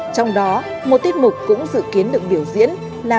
trong đó một tiết mục cũng dự kiến được biểu diễn là